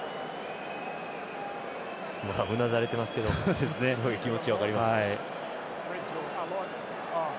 うなだれてますけどすごい気持ち分かります。